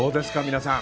皆さん。